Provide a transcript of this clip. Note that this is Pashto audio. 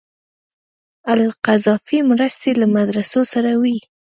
القذافي مرستې له مدرسو سره وې.